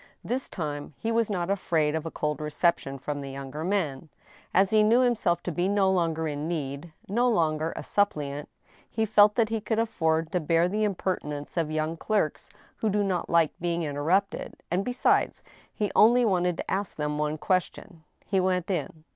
This time he was not afraid of a cold reception" from the young men. As he knew himself to be no longer in need, no longer a suppliant, he felt that he could afford to bear the im pertinence of young clerks who do not like being interrupted ; and, besides, he only wanted to ask them one question. He went in.